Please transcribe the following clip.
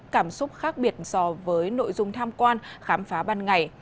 cảm xúc khác biệt so với nội dung tham quan khám phá ban ngày